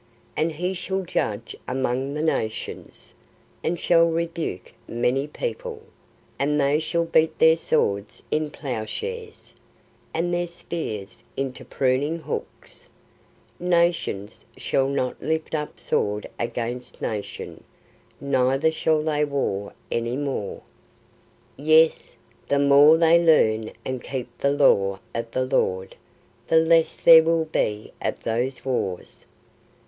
And He shall judge among the nations, and shall rebuke many people; and they shall beat their swords into ploughshares, and their spears into pruning hooks: nations shall not lift up sword against nation, neither shall they war any more." Yes; the more they learn and keep the law of the Lord, the less there will be of those wars.